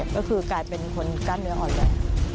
ก็คือกลายเป็นคนกล้ามเนื้ออ่อนแรง